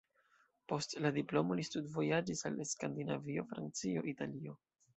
Post la diplomo li studvojaĝis al Skandinavio, Francio, Italio.